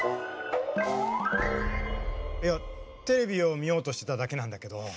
いやテレビをみようとしてただけなんだけど。